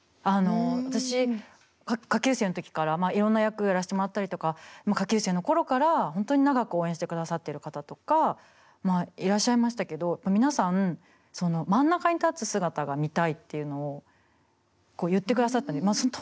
私下級生の時からいろんな役やらせてもらったりとか下級生の頃から本当に長く応援してくださってる方とかまあいらっしゃいましたけど皆さん真ん中に立つ姿が見たいっていうのをこう言ってくださったんです。